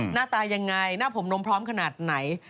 หน้าตายังไงหน้าผมนมพร้อมขนาดไหน